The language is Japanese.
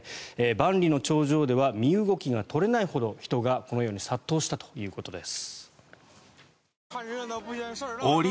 万里の長城では身動きが取れないほど人がこのように殺到したということです。